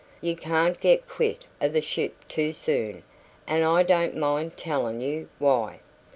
You can't get quit o' the ship too soon, an' I don't mind tellin' you why.